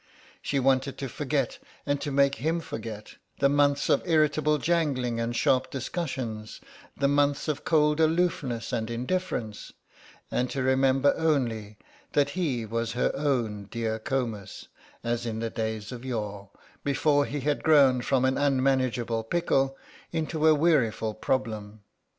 She wanted to forget, and to make him forget, the months of irritable jangling and sharp discussions, the months of cold aloofness and indifference and to remember only that he was her own dear Comus as in the days of yore, before he had grown from an unmanageable pickle into a weariful problem.